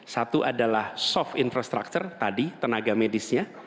satu adalah soft infrastructure tadi tenaga medisnya